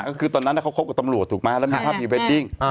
ก็คือตอนนั้นเขาคบกับตำรวจถูกไหมแล้วมีภาพพรีเวดดิ้ง